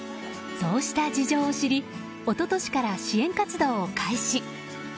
そうした事情を知り一昨年から支援活動を開始。